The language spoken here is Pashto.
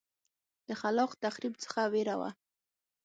د خلاق تخریب څخه وېره وه.